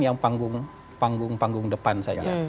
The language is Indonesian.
yang panggung panggung depan saja